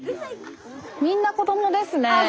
みんな子どもですねえ。